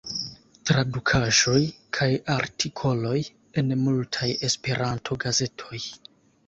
Tradukaĵoj kaj artikoloj en multaj Esperanto-gazetoj.